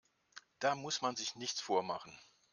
Da muss man sich nichts vormachen.